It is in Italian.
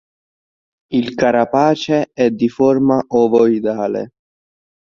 Il carapace è di forma ovoidale.